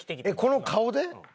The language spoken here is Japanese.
この顔で？